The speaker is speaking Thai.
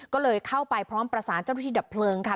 ก็เลยเข้าไปพร้อมประสานเจ้าหน้าที่ดับเพลิงค่ะ